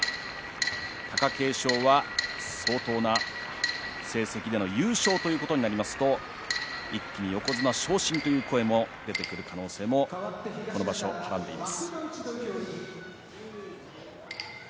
貴景勝は相当な成績での優勝ということになりますと、一気に横綱昇進という声も出てくる可能性がこの場所はらんでいます。